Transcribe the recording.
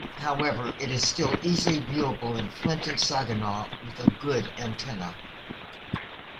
However, it is still easily viewable in Flint and Saginaw with a good antenna.